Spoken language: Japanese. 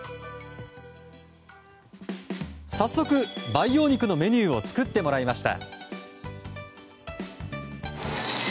早速、培養肉のメニューを作ってもらいました。